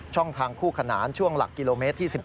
ทางคู่ขนานช่วงหลักกิโลเมตรที่๑๗